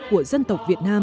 của dân tộc việt nam